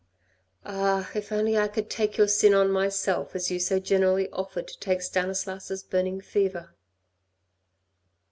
"Ah, if only I could take your sin on myself as you so generously offered to take Stanislas' burning fever